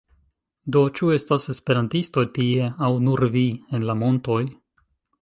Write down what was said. Do, ĉu estas esperantistoj tie? aŭ nur vi? en la montoj?